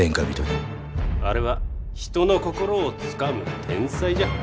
あれは人の心をつかむ天才じゃ。